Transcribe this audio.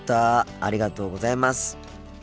ありがとうございます。